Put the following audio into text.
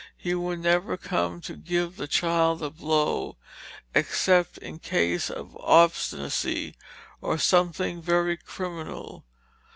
He would never come to give the child a blow, except in case of obstinacy, or something very criminal.